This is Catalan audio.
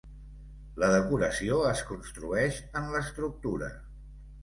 La decoració es construeix en l'estructura.